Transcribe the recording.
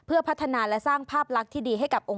เผื่อพัฒนาและสร้างภาพรักที่ดี